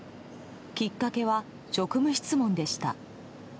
きっかけは、職務質問でした。